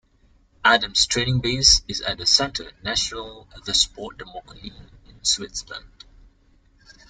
Adams' training base is at the Centre national de sport de Macolin in Switzerland.